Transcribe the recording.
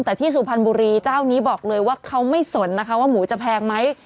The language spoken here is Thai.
แต่ที่สุพรรณบุรีเจ้านี้บอกเลยว่าเขาไม่สนนะคะว่าหมูจะแพงไหม